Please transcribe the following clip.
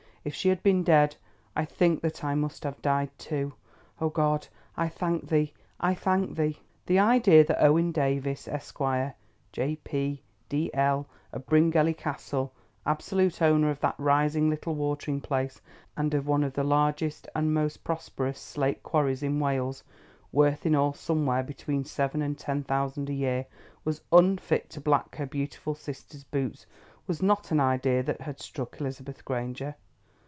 "If she had been dead, I think that I must have died too. Oh, God, I thank Thee—I thank Thee!" The idea that Owen Davies, Esq., J.P., D.L., of Bryngelly Castle, absolute owner of that rising little watering place, and of one of the largest and most prosperous slate quarries in Wales, worth in all somewhere between seven and ten thousand a year, was unfit to black her beautiful sister's boots, was not an idea that had struck Elizabeth Granger.